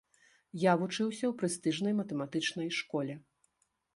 Я вучыўся ў прэстыжнай матэматычнай школе.